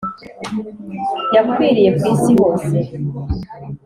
yakwiriye ku isi hose